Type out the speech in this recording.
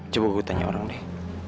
coba gue tanya orang deh